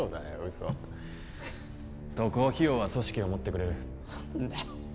嘘渡航費用は組織が持ってくれる何だよ